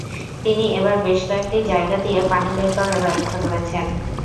তিনি এবার বেশ কয়েকটি জায়গা দিয়ে পানি বের করার ব্যবস্থা করেছেন।